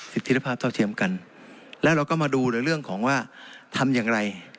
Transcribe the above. สิทธิภาพเท่าเทียมกันแล้วเราก็มาดูในเรื่องของว่าทำอย่างไร